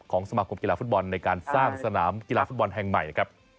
สมาคมกีฬาฟุตบอลในการสร้างสนามกีฬาฟุตบอลแห่งใหม่นะครับ